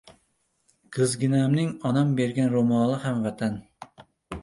Qizginamning onam bergan ro‘moli ham Vatan.